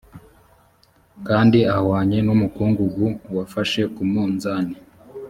kandi ahwanye n umukungugu wafashe ku munzani